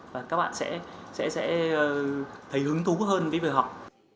và các bạn sẽ thấy hứng thú hơn cái việc học